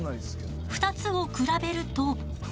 ２つを比べると。